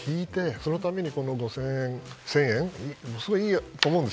そのためにこの５０００円１０００円すごいいい案だと思うんです。